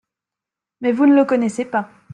Mais vous ne le connaissez pas…